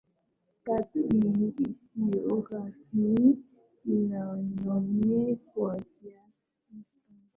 sekta hii isiyo rasmi inamnyanyua kwa kiasi gani